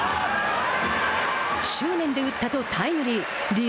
「執念で打った」とタイムリー。